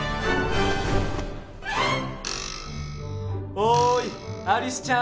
おいアリスちゃん。